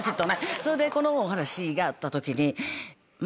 それでこのお話があったときに。